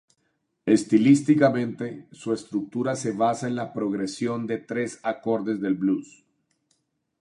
Estilísticamente, su estructura se basa en la progresión de tres acordes del blues.